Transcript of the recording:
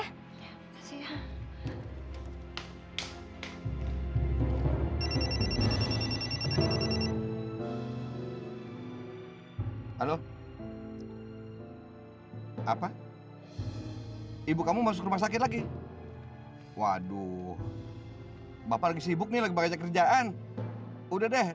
halo halo apa ibu kamu masuk rumah sakit lagi waduh bapak sibuk nih bagaimana kerjaan udah deh